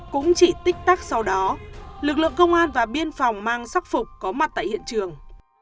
cũng chỉ tích tắc sau đó lực lượng công an và biên phòng mang sắc phục có mặt tại hiện trường